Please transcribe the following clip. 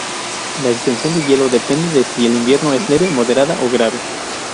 La extensión del hielo depende de si el invierno es leve, moderada o grave.